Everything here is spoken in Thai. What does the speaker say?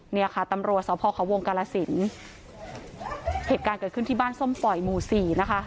เนี่ยค่ะตำรวจสพเขาวงกาลสินเหตุการณ์เกิดขึ้นที่บ้านส้มปล่อยหมู่สี่นะคะ